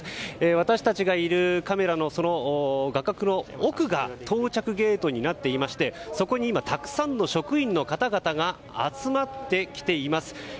私たちがいるカメラの画角の奥が到着ゲートになっていましてそこに今たくさんの職員の方々が集まってきています。